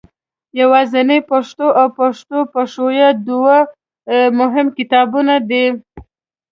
یوازنۍ پښتو او پښتو پښویه دوه مهم کتابونه دي.